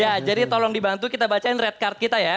ya jadi tolong dibantu kita bacain red card kita ya